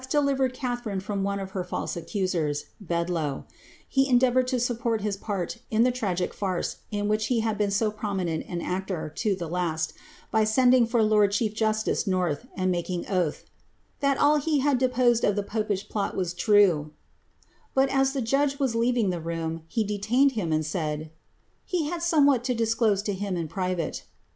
delivered Catharine from one of her false accoseiSf Bedloe. He endeavoured to support his part in the tragic farce, in which he had been so prominent an actor, to the last, by sending for lofd chiof jusitce North, and making oath, ^^ that all he had deposed of lbs popish plot was true;'^ but, as the judge was leaving the room, he de tained him, and said, '* he had somewhat to disclose to him in prirate,^ ' Blencowe's Sidney Diary. CATHARINE OF BRAGANZA.